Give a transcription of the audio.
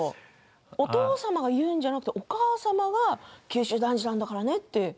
お父様が言うんじゃなくてお母様が九州男児なんだからねって。